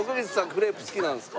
クレープ好きなんですか？